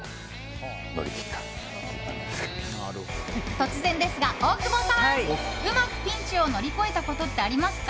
突然ですが、大久保さんうまくピンチを乗り越えたことってありますか？